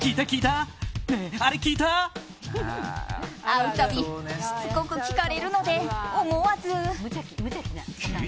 会うたびしつこく聞かれるので思わず。